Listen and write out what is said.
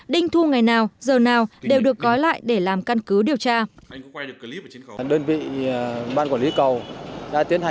đinh thu ngày nào giờ nào đều được gói lại để làm căn cứ điều tra